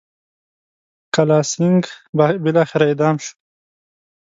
کالاسینګهـ بالاخره اعدام شوی دی.